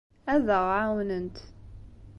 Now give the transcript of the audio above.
Ad aɣ-ɛawnent.